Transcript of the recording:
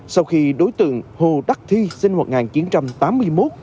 sau khi đối tượng hồ đắc thi sinh năm một nghìn chín trăm tám mươi một